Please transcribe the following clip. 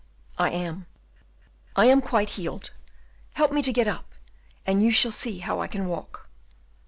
"I am." "I am quite healed; help me to get up, and you shall see how I can walk."